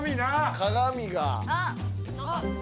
◆鏡が。